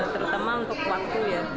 terutama untuk waktu ya